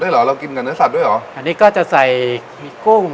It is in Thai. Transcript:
เลยแล้วเครื่องปรุงอย่างอื่นมันมีอะไรบ้าง